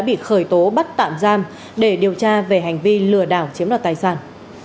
bị khởi tố bắt tạm giam để điều tra về hành vi lừa đảo chiếm đoạt tài sản